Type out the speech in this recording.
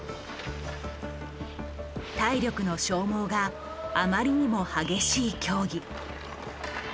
体力の消耗があまりにも激しい競技。